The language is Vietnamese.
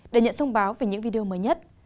để nhận thông báo về những video mới nhất